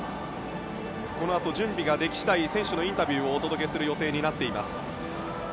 このあと準備ができ次第選手のインタビューをお届けする予定になっています。